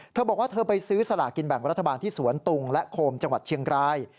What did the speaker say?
เธอบอกว่าเธอไปซื้อสลากินแบ่งรัฐบาลที่สวนตุงและโคมจังหวัดเชียงราย